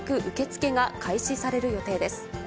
受け付けが開始される予定です。